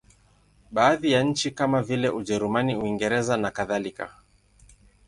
Baadhi ya nchi kama vile Ujerumani, Uingereza nakadhalika.